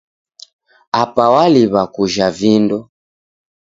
Apa waliwa kujha vindo.